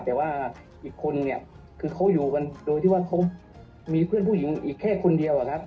แต่ว่าอีกคนเนี่ยคือเขาอยู่กันโดยที่ว่าเขามีเพื่อนผู้หญิงอีกแค่คนเดียวอะครับ